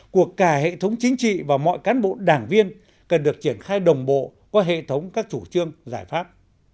cuộc cài hệ thống chính trị và mọi cán bộ đảng viên cần được triển khai đồng bộ qua hệ thống các chủ trương giải pháp